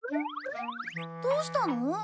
どうしたの？